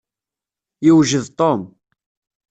Yewjed Tom.